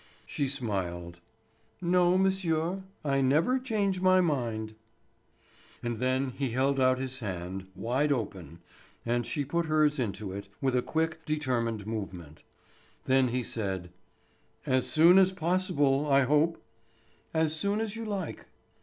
She smiled: "No, monsieur. I never change my mind." And then he held out his hand, wide open, and she put hers into it with a quick, determined movement. Then he said: "As soon as possible, I hope." "As soon as you like."